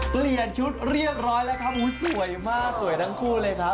เปลี่ยนชุดเรียบร้อยแล้วครับสวยมากสวยทั้งคู่เลยครับ